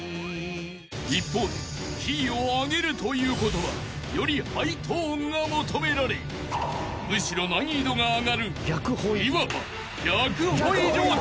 ［一方でキーを上げるということはよりハイトーンが求められむしろ難易度が上がるいわば］